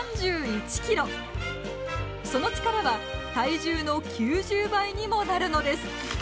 その力は体重の９０倍にもなるのです。